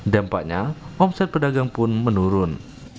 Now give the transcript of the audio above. dampaknya omset pedagang pun menurun